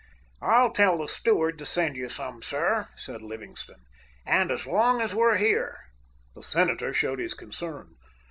"I'll tell the steward to send you some, sir," said Livingstone, "and as long as we're here." The senator showed his concern.